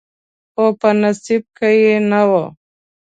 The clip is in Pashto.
خو په نصیب کې یې نه و.